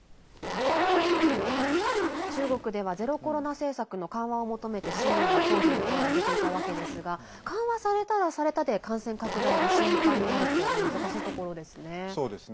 中国ではゼロコロナ政策の緩和を求めて市民が抗議の声を上げていたわけですが緩和されたらされたで感染拡大が心配になると難しいところですね。